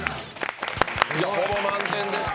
ほぼ満点でした。